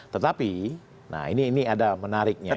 tetapi nah ini ada menariknya